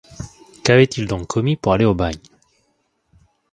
Qu’avait-il donc commis pour aller au bagne ?